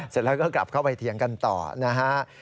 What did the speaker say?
เสร็จแล้วก็กลับเข้าไปเถียงกันต่อนะฮะ